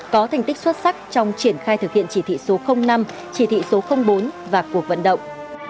có thành tích xuất sắc trong triển khai thực hiện chỉ thị số năm chỉ thị số bốn và cuộc vận động